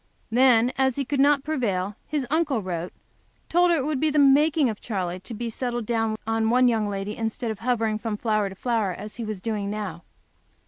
Then, as he could not prevail, his uncle wrote, told her it would be the making of Charley to be settled down on one young lady instead of hovering from flower to flower, as he was doing now.